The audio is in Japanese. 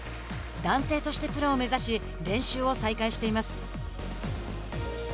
男性としてプロを目指し練習を再開しています。